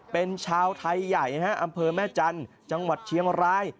เป็นชาวไทยใหญ่อำเภอแม่จันทร์จังหวัดเชียงราย